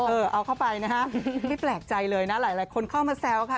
เออเอาเข้าไปนะฮะไม่แปลกใจเลยนะหลายคนเข้ามาแซวค่ะ